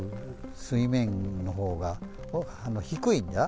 水面のほうが低いんだ。